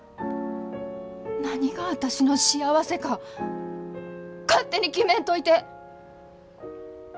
何が私の幸せか勝手に決めんといて！